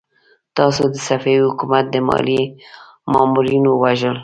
تاسو د صفوي حکومت د ماليې مامورين ووژل!